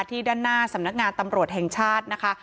ด้านหน้าสำนักงานตำรวจแห่งชาตินะคะ